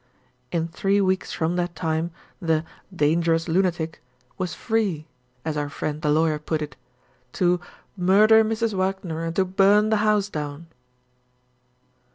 In three weeks from that time, the "dangerous lunatic" was free (as our friend the lawyer put it) to "murder Mrs. Wagner, and to burn the house down."